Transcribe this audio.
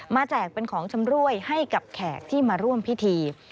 แจกเป็นของชำรวยให้กับแขกที่มาร่วมพิธี